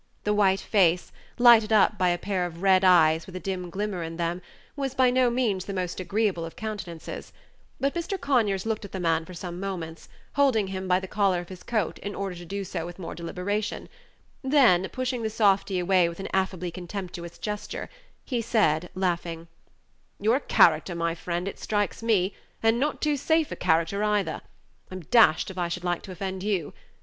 The white face, lighted up by a pair of red eyes with a dim glimmer in them, was by no means the most agreeable of countenances; but Mr. Conyers looked at the man for some moments, holding him by the collar of his coat in order to do so with more deliberation; then, pushing the softy away with an affably contemptuous gesture, he said, laughing: "You're a character, my friend, it strikes me, and not too safe a character either. I'm dashed if I should like to offend you.